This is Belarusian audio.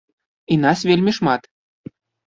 І нас вельмі шмат.